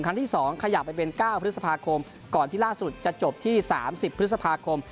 ที่๒ขยับไปเป็น๙พฤษภาคมก่อนที่ล่าสุดจะจบที่๓๐พฤษภาคม